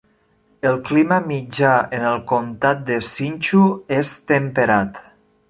El clima mitjà en el comtat de Hsinchu és temperat.